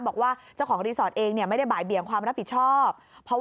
บอกว่าเจ้าของรีสอร์ทเองไม่ได้บ่ายเบี่ยงความรับผิดชอบ